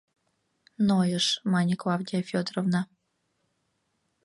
— Нойыш, — мане Клавдия Фёдоровна.